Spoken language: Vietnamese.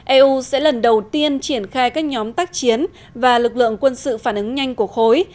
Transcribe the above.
eu sẽ lần đầu tiên triển khai các nhóm tác chiến và lực lượng quân sự phản ứng nhanh của khối